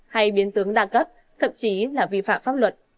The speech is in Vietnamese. hay biến tướng đa cấp thậm chí là vi phạm pháp luật